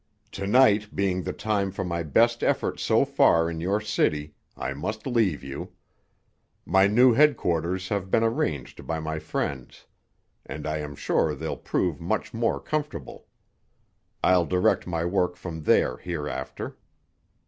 To night being the time for my best effort so far in your city, I must leave you. My new headquarters have been arranged by my friends, and I am sure they'll prove much more comfortable. I'll direct my work from there hereafter.